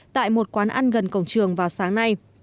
tại một quán ăn gần cổng trường vào sáng nay